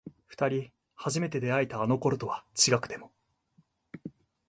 二人初めて出会えたあの頃とは違くても